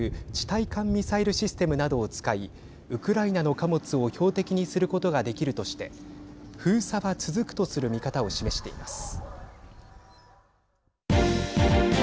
対艦ミサイルシステムなどを使いウクライナの貨物を標的にすることができるとして封鎖は続くとする見方を示しています。